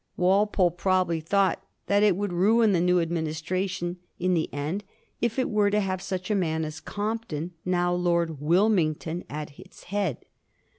Walpole probably thought that it would ruin the new administration in the end if it were to have such a man as Compton, now Lord Wilmington, at its head.